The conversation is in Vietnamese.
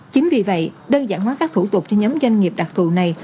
chính vì vậy đơn giản hóa các thủ tục cho nhóm doanh nghiệp đặc thù này